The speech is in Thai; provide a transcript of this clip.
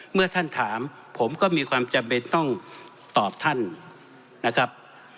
เมื่อท่านถามผมก็มีความจำเป็นต้องตอบท่านนะครับ